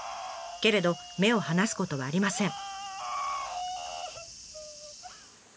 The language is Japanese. けれど目を離すことはありません。